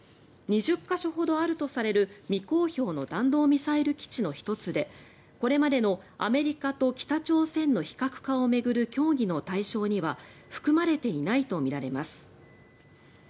２０か所ほどあるとされる未公表の弾道ミサイル基地の１つでこれまでのアメリカと北朝鮮の非核化を巡る協議の対象には含まれていないとみられます。